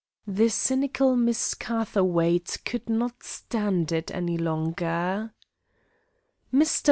The cynical Miss Catherwaight could not stand it any longer. "Mr.